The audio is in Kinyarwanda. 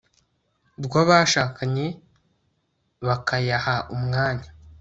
rwa bashakanye bakayaha umwanya